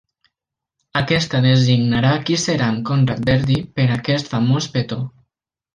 Aquesta designarà qui serà amb Conrad Birdie per a aquest famós petó.